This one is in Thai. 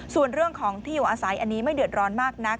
ส่วนเรื่องของที่อยู่อาศัยอันนี้ไม่เดือดร้อนมากนัก